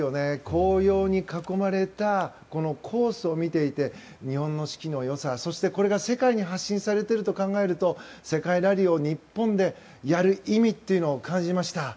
紅葉に囲まれたコースを見ていて日本の四季の良さ、そしてこれが世界に発信されていると考えると、世界ラリーを日本でやる意味というのを感じました。